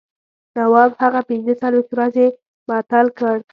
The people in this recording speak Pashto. نواب هغه پنځه څلوېښت ورځې معطل کړ.